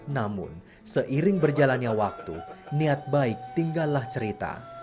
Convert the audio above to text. namun seiring berjalannya waktu niat baik tinggallah cerita